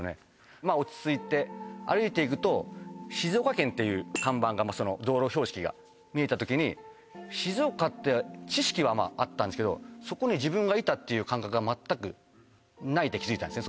まあ落ち着いて道路標識が見えた時に静岡って知識はまああったんですけどそこに自分がいたっていう感覚が全くないって気づいたんですね